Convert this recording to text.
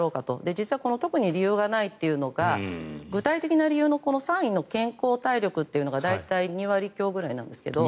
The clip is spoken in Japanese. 実はこの特に理由がないというのが具体的な理由の３位の健康、体力というのが大体２割強ぐらいなんですが。